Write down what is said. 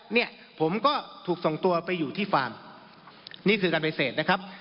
เนี่ยผมก็ถูกส่งตัวไปอยู่ที่ฟาร์มนี่คือการปฏิเสธนะครับ